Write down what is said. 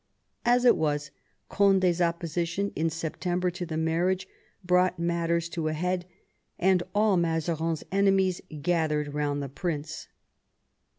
As it was, Condi's opposition in September to the marriage brought matters to a head, and all Mazarin's enemies gathered round the prince.